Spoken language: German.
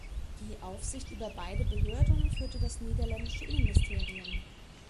Die Aufsicht über beide Behörden führte das niederländische Innenministerium.